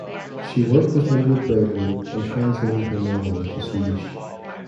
She worked with Ingrid Bergman on translating her novel into Swedish.